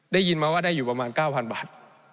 ได้ยินมาว่าได้อยู่ประมาณ๙๐๐บาท